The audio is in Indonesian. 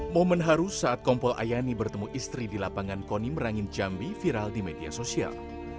momen haru saat kompol ayani bertemu istri di lapangan koni merangin jambi viral di media sosial